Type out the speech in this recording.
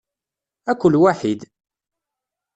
Akk lwaḥid!